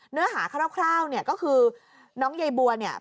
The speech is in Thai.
เนื้อหาคร่าวเนี่ยก็คือน้องใยบัวเนี่ย